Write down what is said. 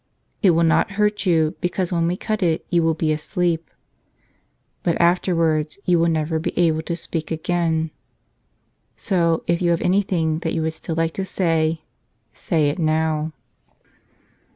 It will not hurt you because when we cut it you will be asleep. But after¬ wards you will never be able to speak again.. So if you have anything that you would still like to say, say it now."